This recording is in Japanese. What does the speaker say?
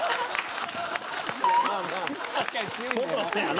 確かに強いね。